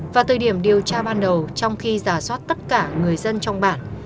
vào thời điểm điều tra ban đầu trong khi giả soát tất cả người dân trong bản